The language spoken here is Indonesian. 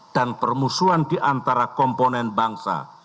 dan permusuhan di antara komponen bangsa